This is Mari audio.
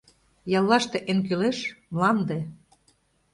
Яллаште эн кӱлеш — мланде.